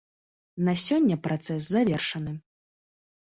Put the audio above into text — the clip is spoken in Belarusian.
На сёння працэс завершаны.